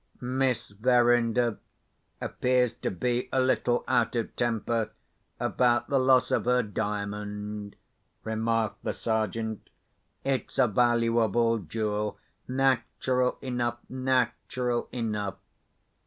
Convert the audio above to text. "Miss Verinder appears to be a little out of temper about the loss of her Diamond," remarked the Sergeant. "It's a valuable jewel. Natural enough! natural enough!"